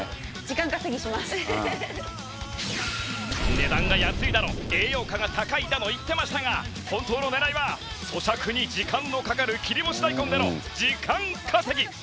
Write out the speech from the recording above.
値段が安いだの栄養価が高いだの言ってましたが本当の狙いは咀嚼に時間のかかる切り干し大根での時間稼ぎ。